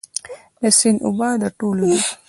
د سیند اوبه د ټولو دي؟